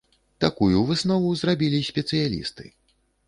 Такую выснову зрабілі спецыялісты.